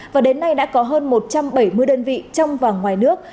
và đến nay đã có hơn một trăm bảy mươi đơn vị trong và ngoài nước